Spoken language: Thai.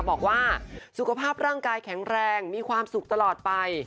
บอกว่าสุขภาพร่างกายแข็งแรงมีความสุขตลอดไป